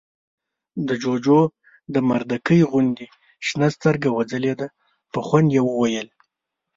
د جُوجُو د مردکۍ غوندې شنه سترګه وځلېده، په خوند يې وويل: